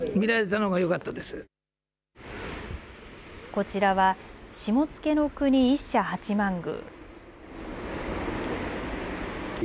こちらは下野國一社八幡宮。